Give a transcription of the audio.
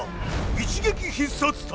一撃必殺隊